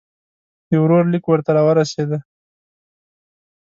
د ورور لیک ورته را ورسېدی.